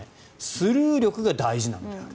スルー力が大事なのである。